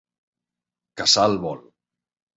Caçar al vol.